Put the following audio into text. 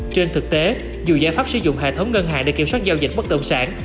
trên thực tế dù giải pháp sử dụng hệ thống ngân hàng để kiểm soát giao dịch bất động sản